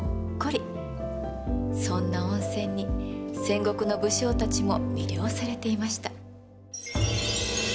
そんな温泉に戦国の武将たちも魅了されていました。